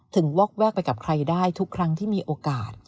วอกแวกไปกับใครได้ทุกครั้งที่มีโอกาส